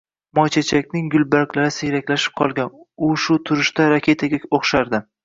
Moychechakning gulbarglari siyraklashib qolgan, u shu turishda raketaga oʻxshardi